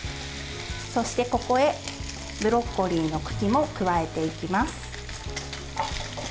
そしてここへブロッコリーの茎も加えていきます。